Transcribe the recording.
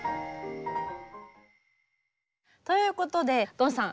ということでドンさん